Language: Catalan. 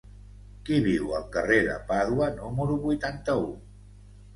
Qui viu al carrer de Pàdua número vuitanta-u?